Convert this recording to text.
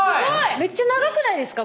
めっちゃ長くないですか？